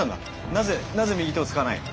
なぜなぜ右手を使わない？